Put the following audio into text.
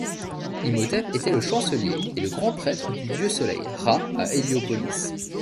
Imhotep était le Chancelier et le grand prêtre du dieu-soleil Râ à Héliopolis.